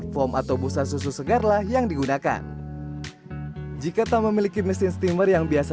foam atau busa susu segarlah yang digunakan jika tak memiliki mesin steamer yang biasa